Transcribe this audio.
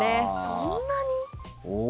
そんなに？